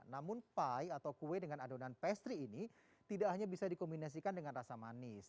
namun pie atau kue dengan adonan pastry ini tidak hanya bisa dikombinasikan dengan rasa manis